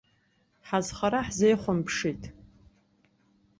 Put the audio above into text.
Ҳазхара ҳзеихәамԥшит!